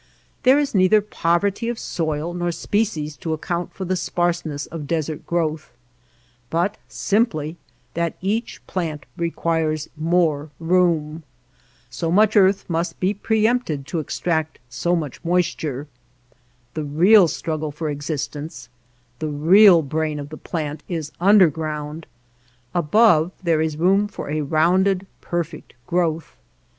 There is neither poverty of soil nor species to account for the sparseness of desert growth, but simply that each plant requires more room. So much earth musit be preempted to extract so much moisture. The real struggle for existence, the real brain of the plant, is underground ; above ' there is room for a rounded perfect growth.